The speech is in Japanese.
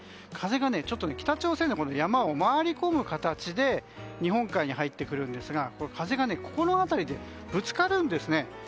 風が北朝鮮の山を回り込む形で日本海に入ってくるんですが風がこの辺りでぶつかるんですね。